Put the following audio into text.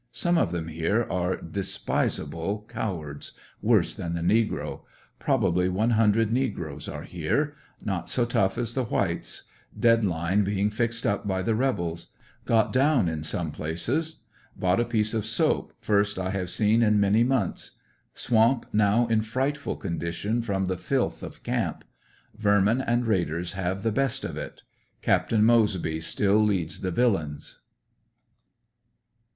Some of them here are despisable cowards — worse than the negro. Probably one hundred negroes are here. Not so tough as the whites. Dead line being fixed up by the rebels. Got down in some places. Bought a piece of soap, first I have seen in many months. Swamp now in frightful condition from the filth of camp. Vermin and raiders have the best of it.